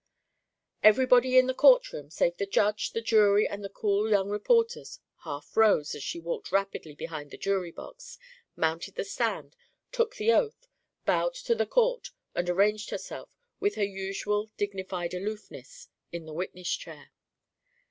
Everybody in the court room save the Judge, the jury, and the cool young reporters half rose as she walked rapidly behind the jury box, mounted the stand, took the oath, bowed to the Court and arranged herself, with her usual dignified aloofness, in the witness chair.